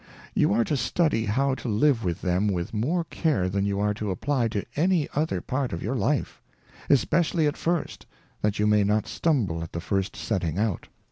You are to study how to live with them with more care than you are to apply to any other part of j'our Life ; especially at first, that you may not stumble at the first setting out.